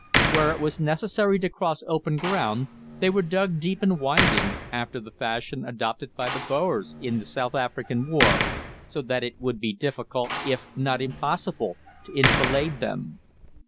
Where it was necessary to cross open ground they were dug deep and winding, after the fashion adopted by the Boers in the South African War, so that it would be difficult, if not impossible, to enfilade them.